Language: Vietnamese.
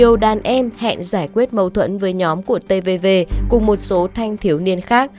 trong đó nhóm của trường anh trường em và nhiều đàn em hẹn giải quyết mâu thuẫn với nhóm của tvv cùng một số thanh thiếu niên khác